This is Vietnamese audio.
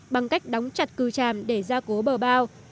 bằng cách đóng chặt cư tràm để ra cố bờ bao